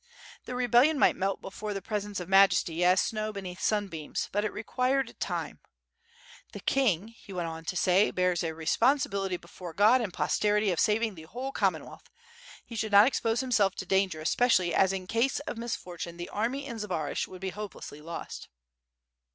The rebellion might melt before the pres ence of Majesty, as snow beneath sunbeams, but it required time. "The king," he went on to say, "bears a responsibility 794 WITH FIRE AND SWORD. before Uod and posterity of saving the whole Common wealth; he should not expose himself to danger especially as in case of misfortune the army in Zbaraj would be hopelessly lost."